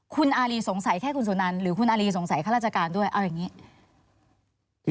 คุณอารีสงสัยแค่คุณสุนันหรือคุณอารีสงสัยข้าราชการด้วยเอาอย่างนี้